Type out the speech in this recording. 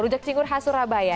rujak cingur khas surabaya